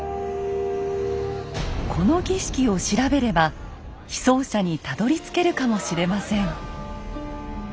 この儀式を調べれば被葬者にたどりつけるかもしれません。